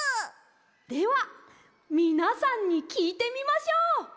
ではみなさんにきいてみましょう。